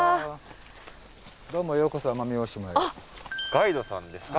ガイドさんですか？